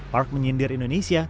park menyindir indonesia